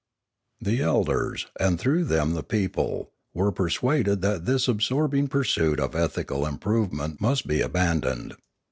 The elders, and through them the people, were per suaded that this absorbing pursuit of ethical improve ment must be abandoned.